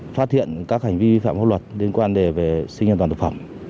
phát hiện các hành vi vi phạm hợp luật liên quan đến sinh nhân toàn thực phẩm